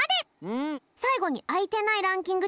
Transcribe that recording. さいごにあいてないランキング